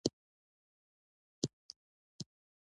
تنور د ښایسته نانو تولیدوونکی دی